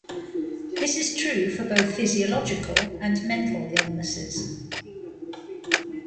This is true for both physiological and mental illnesses.